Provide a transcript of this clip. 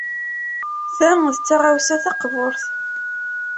Ta d taɣawsa taqburt.